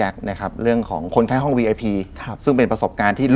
ทำบุญบ้าน